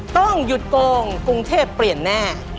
ต้องหยุดโกงกรุงเทพเปลี่ยนแน่